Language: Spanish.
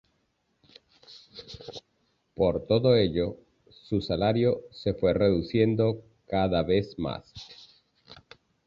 Por todo ello, su salario se fue reduciendo cada vez más.